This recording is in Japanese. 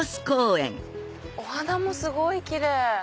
お花もすごいキレイ！